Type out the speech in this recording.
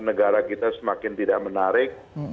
negara kita semakin tidak menarik